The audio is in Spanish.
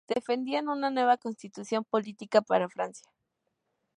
Defendían una nueva Constitución política para Francia.